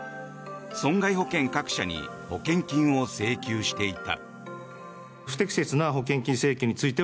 損害保険各社に保険金を請求していた。